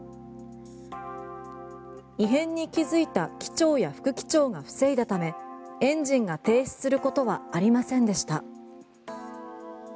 異変に気づいた機長や副機長が防いだためエンジンが停止することはありませんでした。